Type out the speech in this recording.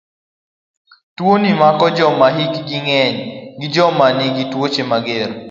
Tuoni mako joma hikgi ng'eny gi joma nigi tuoche mager.